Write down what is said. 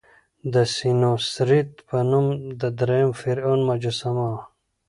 د سینوسریت په نوم د دریم فرعون مجسمه وه.